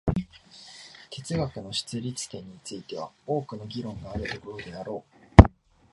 哲学の出立点については多くの議論があることであろう。